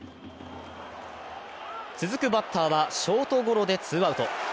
続くバッターはショートゴロでツーアウト。